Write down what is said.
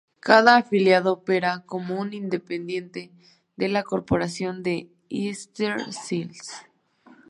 Cada afiliado opera como un independiente de la corporación de Easter Seals.